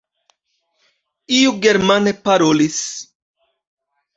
Iu germane parolis.